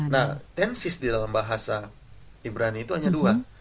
nah tensis di dalam bahasa ibrani itu hanya dua